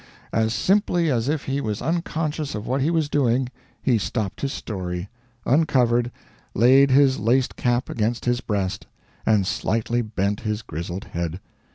As simply as if he was unconscious of what he was doing, he stopped his story, uncovered, laid his laced cap against his breast, and slightly bent his grizzled head.